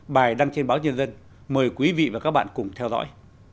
bài đăng trên báo nhân dân mời quý vị và các bạn cùng theo dõi